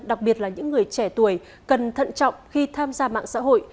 đặc biệt là những người trẻ tuổi cần thận trọng khi tham gia mạng xã hội